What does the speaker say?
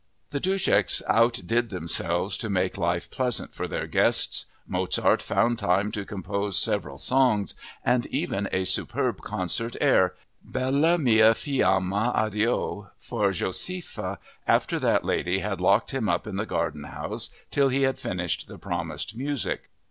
The Duscheks outdid themselves to make life pleasant for their guests. Mozart found time to compose several songs and even a superb concert air, Bella mia fiamma, addio, for Josefa after that lady had locked him up in the garden house till he had finished the promised music.